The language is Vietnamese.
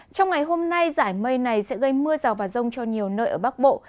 trong ngày hôm nay giải mây này sẽ gây mưa rào và rông cho nhiều nơi ở bắc bộ